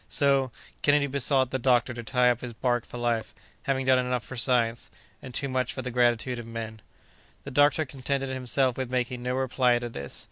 So, Kennedy besought the doctor to tie up his bark for life, having done enough for science, and too much for the gratitude of men. The doctor contented himself with making no reply to this.